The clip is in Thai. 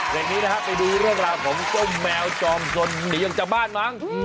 เดี๋ยวนี้นะครับไปดูเรื่องราวของก้มแมวจอมจนหนีออกจากบ้านหวัง